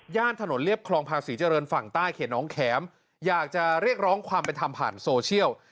ถนนเรียบคลองภาษีเจริญฝั่งใต้เขตน้องแข็มอยากจะเรียกร้องความเป็นธรรมผ่านโซเชียล